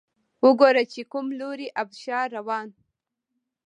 وګوره چې کوم لوری ابشار روان